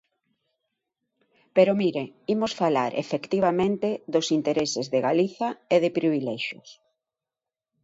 Pero mire, imos falar, efectivamente, dos intereses de Galiza e de privilexios.